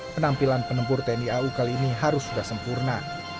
penampilan penempur tni au kali ini harus sudah sempurna